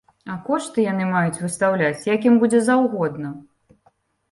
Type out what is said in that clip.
А кошты яны маюць выстаўляць як ім будзе заўгодна.